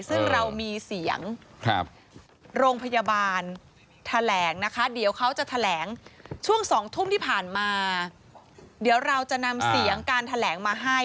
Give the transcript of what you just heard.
ซึ่งเรามีเสียงโรงพยาบาลแถลงนะคะเดี๋ยวเขาจะแถลงช่วง๒ทุ่มที่ผ่านมาเดี๋ยวเราจะนำเสียงการแถลงมาให้